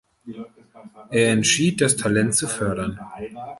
Er entschied, das Talent zu fördern.